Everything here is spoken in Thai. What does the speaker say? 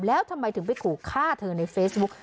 แล้วทำไมถึงไปขู่ฆ่าเธอในเฟซบุ๊ก